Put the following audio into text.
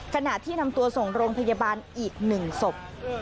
ขณะที่นำตัวส่งโรงพยาบาลอีก๑ศพ